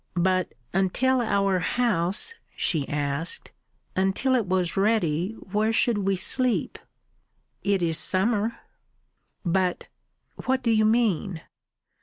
"But until our house," she asked "until it was ready, where should we sleep?" "It is summer." "But ... What do you mean?"